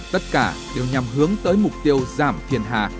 tất cả đều nhằm hướng tới mục tiêu giảm phiền hà